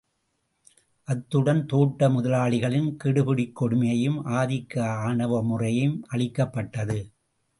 அத்துடன், தோட்ட முதலாளிகளின் கெடுபிடிக் கொடுமையும் ஆதிக்க ஆணவமுறையும் அழிக்கப்பட்டது.